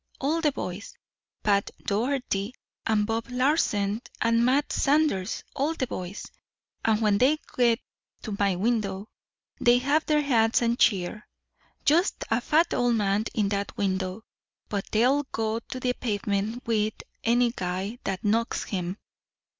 All the boys! Pat Doherty, and Bob Larsen, and Matt Sanders all the boys! And when they get to my window they wave their hats and cheer. Just a fat old man in that window, but they'll go to the pavement with any guy that knocks him.